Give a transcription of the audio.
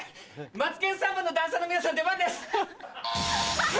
マツケンサンバのダンサーの皆さん出番です。